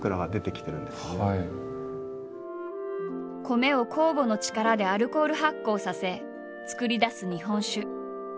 米を酵母の力でアルコール発酵させ造り出す日本酒。